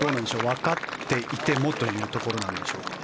わかっていてもということでしょうか？